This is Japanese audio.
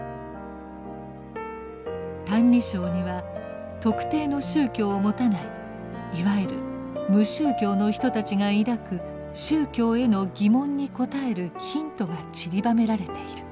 「歎異抄」には特定の宗教をもたないいわゆる「無宗教」の人たちが抱く宗教への疑問に応えるヒントがちりばめられている。